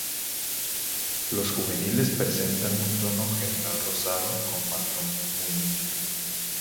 Los juveniles presentan un tono general rosado, con patrón muy nítido.